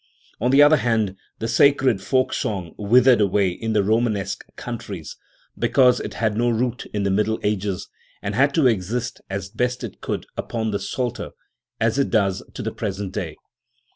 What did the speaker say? On the other hand the sacred folk song withered away in the Romanesque countries, because it had no root in the Middle Ages, and had to exist as best it could upon the Psalter, as it does to the present day.